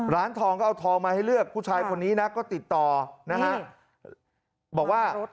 ร้านทองก็เอาทองมาให้เลือกผู้ชายคนนี้นะก็ติดต่อนะฮะบอกว่า